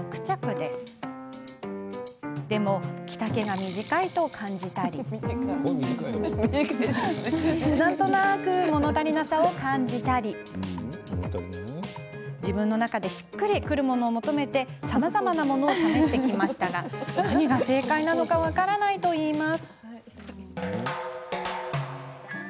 でも、着丈が短いと感じたりなんとなくもの足りなさを感じたり自分の中でしっくりくるものを求めてさまざまなものを試してきましたが何が正解なのか分からないといいます。